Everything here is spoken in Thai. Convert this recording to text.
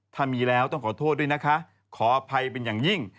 ถ้ามีแล้วต้องขอโทษด้วยนะคะขออภัยเป็นอย่างยิ่ง